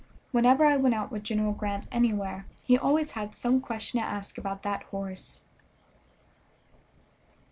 Whenever I went out with General Grant anywhere he always had some question to ask about that horse.